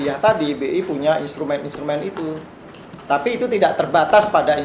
juga bukan jadi menjadi perusahaan juga dimana kata cara pembuat ber fizer almost do producing